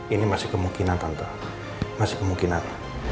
ini masih kemungkinan tentu masih kemungkinan